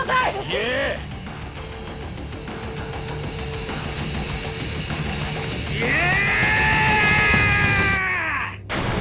言え言え！